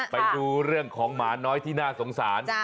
ไปดูเรื่องของหมาน้อยที่น่าสงสาร